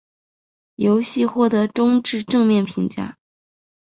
游戏获得中至正面评价。